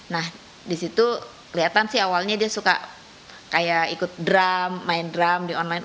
nah disitu kelihatan sih awalnya dia suka kayak ikut drum main drum di online